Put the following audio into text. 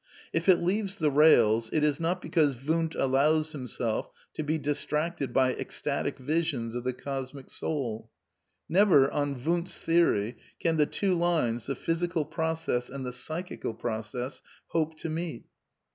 If it leaves the rails it is not because Wundt al lows himself to be distracted by ecstatic visions of the cos mic soul. Never, on Wundt's theory, can the two lines, the physical process and the psychic process, hope to meet.